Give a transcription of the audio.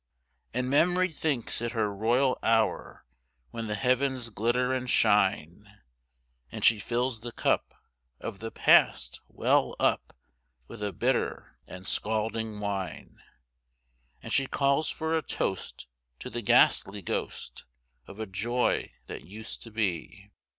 And Memory thinks it her royal hour When the heavens glitter and shine; And she fills the cup of the past well up With a bitter and scalding wine. And she calls for a toast to the ghastly ghost Of a joy that used to be.